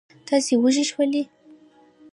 تاسې وږي شولئ.